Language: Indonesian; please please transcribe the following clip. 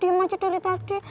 dimanjut dari tadi